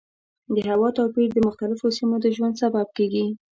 د هوا توپیر د مختلفو سیمو د ژوند سبب کېږي.